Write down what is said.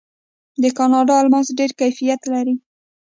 د کاناډا الماس ډیر کیفیت لري.